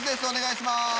お願いします！